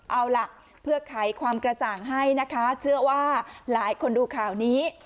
เอาล่ะเพื่อไขความกระจ่างให้นะคะเชื่อว่าหลายคนดูข่าวนี้